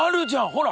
ほら。